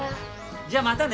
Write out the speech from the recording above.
じゃあまたね。